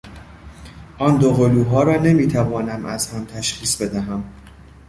آن دوقلوها را نمیتوانم از هم تشخیص بدهم.